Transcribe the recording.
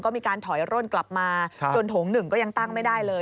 ก็มีการถอยร่นกลับมาจนโถงหนึ่งก็ยังตั้งไม่ได้เลย